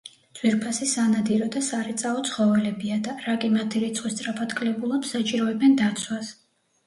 ძვირფასი სანადირო და სარეწაო ცხოველებია და, რაკი მათი რიცხვი სწრაფად კლებულობს, საჭიროებენ დაცვას.